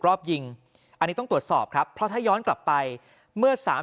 รอบยิงอันนี้ต้องตรวจสอบครับเพราะถ้าย้อนกลับไปเมื่อสาม